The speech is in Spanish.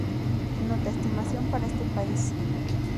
Nota: Estimación para este país.